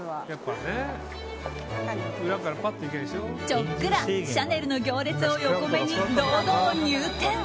ちょっくらシャネルの行列を横目に、堂々入店。